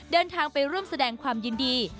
เดินทางไปร่วมแสดงความยินดี